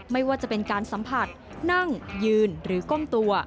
ไม่ว่าจะเป็นการสัมผัสนั่งยืนหรือก้มตัว